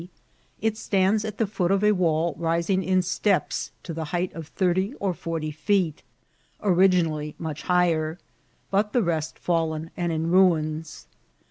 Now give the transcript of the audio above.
It stands at the foot of a wall rising in steps to the height of thirty or forty feet ; originally much higher^ but the rest feUen and in mins.